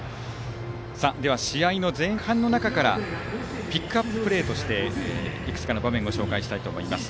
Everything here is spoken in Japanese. では、試合の前半からピックアッププレーとしていくつかの場面を紹介します。